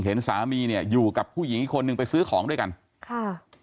เห็นสามีเนี่ยอยู่กับผู้หญิงอีกคนนึงไปซื้อของด้วยกันค่ะ